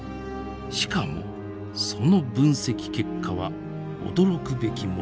しかもその分析結果は驚くべきものでした。